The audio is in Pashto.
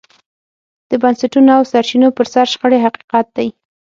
د بنسټونو او سرچینو پر سر شخړې حقیقت دی.